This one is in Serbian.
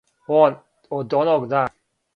Од оног дана.